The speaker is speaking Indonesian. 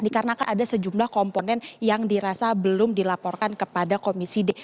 karena ada sejumlah komponen yang dirasa belum dilaporkan kepada komisi d